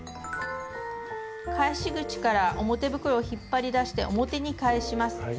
返し口から表袋を引っ張り出して表に返します。